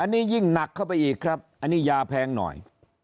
อันนี้ยิ่งหนักเข้าไปอีกครับอันนี้ยาแพงหน่อย